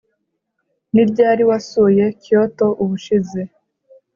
Ni ryari wasuye Kyoto ubushize